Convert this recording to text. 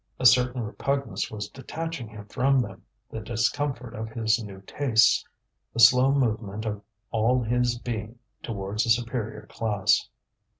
A certain repugnance was detaching him from them the discomfort of his new tastes, the slow movement of all his being towards a superior class.